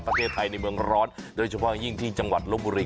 ในเมืองร้อนโดยเฉพาะยิ่งที่จังหวัดลบบุรี